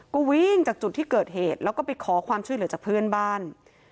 ก็วิ่งจากจุดที่เกิดเหตุแล้วก็ไปขอความช่วยเหลือจากเพื่อนบ้าน